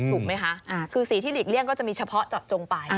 ถูกไหมคะคือสีที่หลีกเลี่ยงก็จะมีเฉพาะเจาะจงไป